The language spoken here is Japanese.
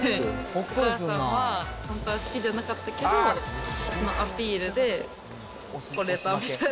お母さんは本当は好きじゃなかったけど、アピールでほれたみたいな。